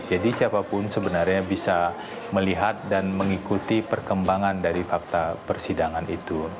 jadi siapapun sebenarnya bisa melihat dan mengikuti perkembangan dari fakta persidangan itu